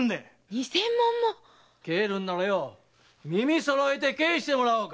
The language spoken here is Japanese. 二千文も⁉帰るんなら耳そろえて返してもらおうか！